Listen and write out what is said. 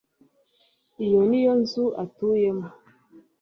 Iyo ni yo nzu atuyemo